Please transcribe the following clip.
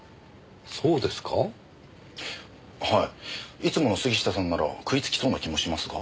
いつもの杉下さんなら食いつきそうな気もしますが。